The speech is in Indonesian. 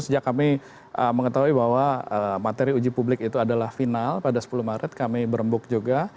sejak kami mengetahui bahwa materi uji publik itu adalah final pada sepuluh maret kami berembuk juga